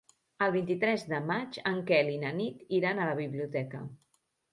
El vint-i-tres de maig en Quel i na Nit iran a la biblioteca.